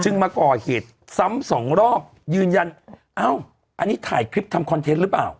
มาก่อเหตุซ้ำสองรอบยืนยันเอ้าอันนี้ถ่ายคลิปทำคอนเทนต์หรือเปล่า